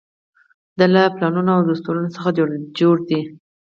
دا له پلانونو او دستورونو څخه جوړ دی.